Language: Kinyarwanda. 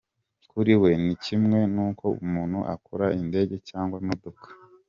Kuri we, ni kimwe n’uko umuntu akora Indege cyangwa imodoka.